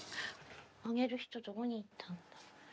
あげる人どこに行った？